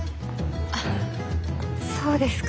あっそうですか。